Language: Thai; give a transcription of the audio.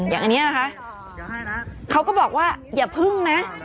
อย่างนี้นะคะเขาก็บอกว่าอย่าพึ่งนะ